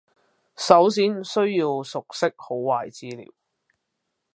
首先需要熟悉好壞資料